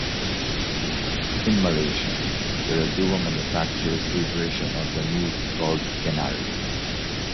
In Malaysia, Perodua manufactures a version of the Move called the Kenari.